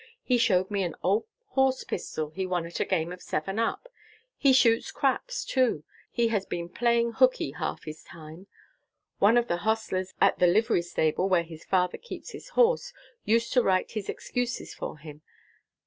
He showed me an old horse pistol he won at a game of 'seven up.' He shoots 'craps,' too. He has been playing hooky half his time. One of the hostlers at the livery stable, where his father keeps his horse, used to write his excuses for him.